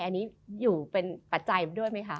อันนี้อยู่เป็นปัจจัยด้วยไหมคะ